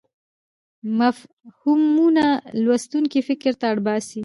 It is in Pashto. مفهومونه لوستونکی فکر ته اړ باسي.